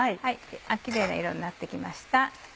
キレイな色になって来ました。